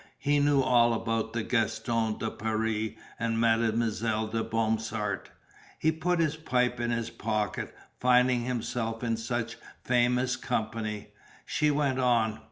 He knew all about the Gaston de Paris and Mademoiselle de Bromsart. He put his pipe in his pocket, finding himself in such famous company. She went on.